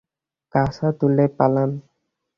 কাছা তুলে পালান।